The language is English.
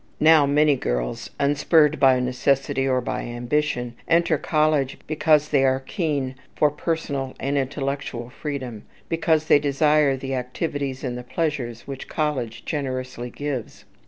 Now many girls, unspurred by necessity or by ambition, enter college because they are keen for personal and intellectual freedom, because they desire the activities and the pleasures which college generously gives.